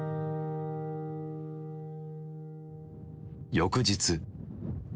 翌日。